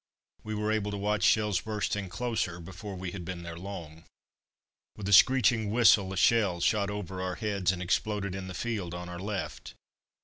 We were able to watch shells bursting closer before we had been there long. With a screeching whistle a shell shot over our heads and exploded in the field on our left.